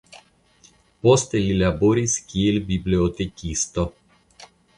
Poste li laboris kiel bibliotekisto.